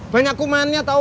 banyak kumannya tau